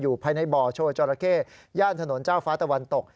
ภายในบ่อโชว์จอราเข้ย่านถนนเจ้าฟ้าตะวันตก